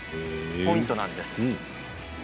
ポイントなんです。